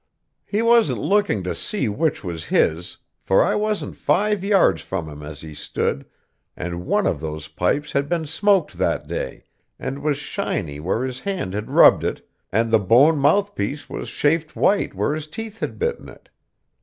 He wasn't looking to see which was his, for I wasn't five yards from him as he stood, and one of those pipes had been smoked that day, and was shiny where his hand had rubbed it, and the bone mouthpiece was chafed white where his teeth had bitten it.